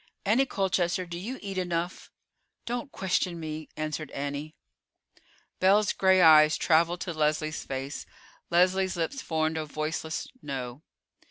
Annie Colchester, do you eat enough?" "Don't question me," answered Annie. Belle's gray eyes traveled to Leslie's face. Leslie's lips formed a voiceless "No."